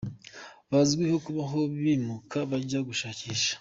bazwiho kubaho bimuka bajya gushakisha.